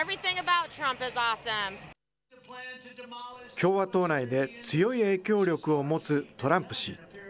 共和党内で強い影響力を持つトランプ氏。